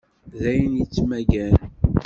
D ayen yettmaggan?